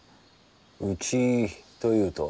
うちというと？